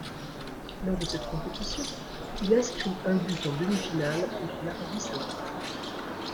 Lors de cette compétition, il inscrit un but en demi-finale contre l'Arabie saoudite.